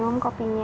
dia mencari saya